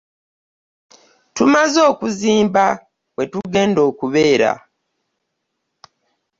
Tumaze okuzimba we tugenda okubeera.